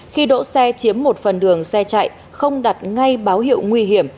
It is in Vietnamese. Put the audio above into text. khi đỗ xe chiếm một phần đường xe chạy không đặt ngay báo hiệu nguy hiểm